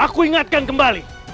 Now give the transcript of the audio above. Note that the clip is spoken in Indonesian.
aku ingatkan kembali